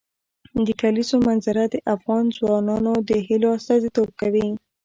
د کلیزو منظره د افغان ځوانانو د هیلو استازیتوب کوي.